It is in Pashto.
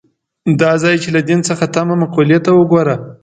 دا ځای چې له دین څخه تمه مقولې ته وګوري.